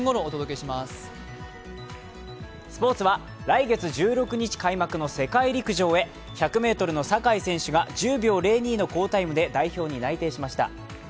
スポーツは、来月１６日開幕の世界陸上へ、１００ｍの坂井選手が１０秒０２の好タイムで代表に内定しました。